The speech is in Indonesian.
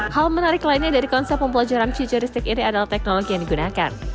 hal menarik lainnya dari konsep pembelajaran futuristik ini adalah teknologi yang digunakan